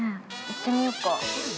◆行ってみよっか。